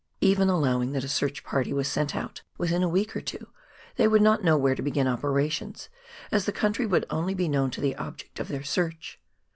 Even allowing that a search party was sent out within a week or two, they would not know where to begin operations, as the country would only be known to the object of their search.